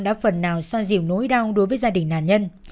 đã phần nào xoa dìu nỗi đau đối với gia đình nàn nhân